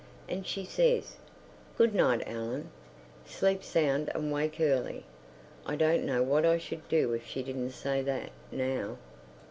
And she says, "Good night, Ellen. Sleep sound and wake early!" I don't know what I should do if she didn't say that, now.